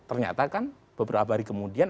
ternyata kan beberapa hari kemudian